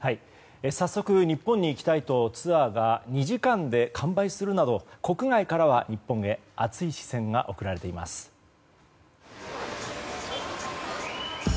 早速、日本に来たいとツアーが２時間で完売するなど国外からは日本へ熱い視線が送られています。